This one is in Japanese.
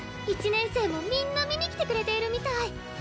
１年生もみんな見に来てくれているみたい。